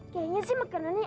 kayanya cowok tadi baik tuh